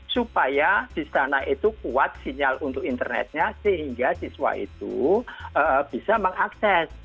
supaya di sana itu kuat sinyal untuk internetnya sehingga siswa itu bisa mengakses